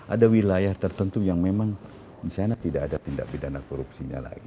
ada wilayah tertentu yang memang di sana tidak ada tindak pidana korupsinya lagi